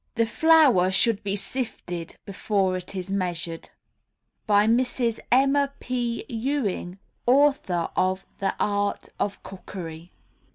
The flour should be sifted before it is measured. _By Mrs. Emma P. Ewing, author of "The Art of Cookery."